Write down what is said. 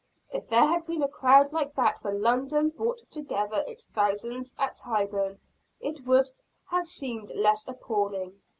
If there had been a crowd like that when London brought together its thousands at Tyburn, it would have seemed less appalling.